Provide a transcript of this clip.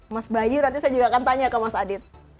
mas bayu nanti saya juga akan tanya ke mas adit